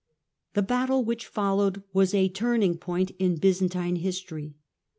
The battle which followed was a turning point in Byzantine history.